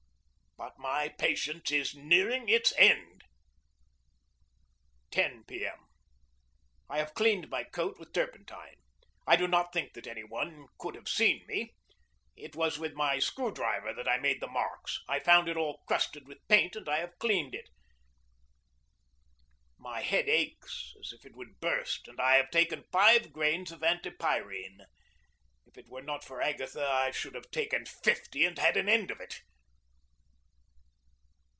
But my patience is nearing its end. 10 P. M. I have cleaned my coat with turpentine. I do not think that any one could have seen me. It was with my screw driver that I made the marks. I found it all crusted with paint, and I have cleaned it. My head aches as if it would burst, and I have taken five grains of antipyrine. If it were not for Agatha, I should have taken fifty and had an end of it.